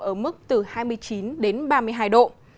ở mức từ hai mươi chín đến ba mươi hai độ